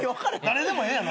誰でもええやん。